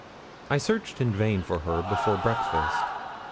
I searched in vain for her before breakfast.